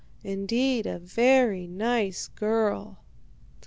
Indeed, a very nice girl.'